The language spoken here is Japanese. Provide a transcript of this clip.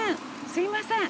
すいません。